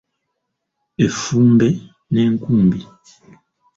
Effumbe n'enkumbi.